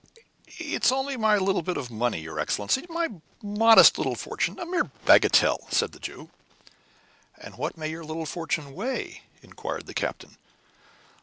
"It's only my little bit of money, your Excellency; my modest little fortune a mere bagatelle," said the Jew. "And what may your little fortune weigh?" inquired the captain.